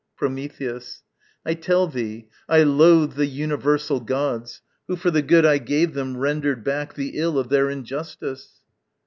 Prometheus. I tell thee I loathe the universal gods, Who for the good I gave them rendered back The ill of their injustice.